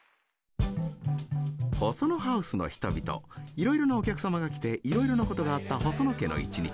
いろいろなお客様が来ていろいろなことがあった細野家の一日。